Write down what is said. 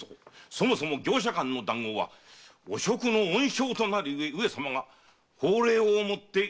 そもそも業者間の談合は汚職の温床となるゆえ上様が法令をもって厳禁なされたのだ。